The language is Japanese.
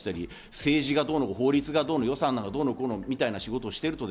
政治がどうの、法律がどうの、予算がどうのみたいな仕事をしていると。